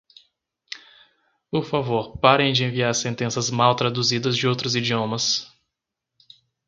Por favor parem de enviar sentenças mal traduzidas de outros idiomas